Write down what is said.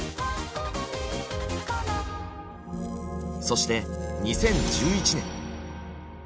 そして２０１１年。